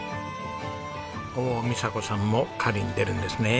おっ美佐子さんも狩りに出るんですね。